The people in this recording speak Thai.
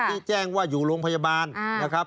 ที่แจ้งว่าอยู่โรงพยาบาลนะครับ